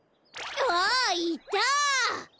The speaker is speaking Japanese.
あっいた！